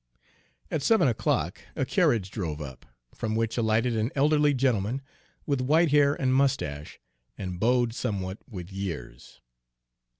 At seven o'clock a carriage drove up, from which alighted an elderly gentleman, with white hair and mustache, and bowed somewhat with years.